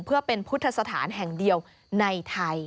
เพื่อเป็นพุทธสถานแห่งเดียวในไทย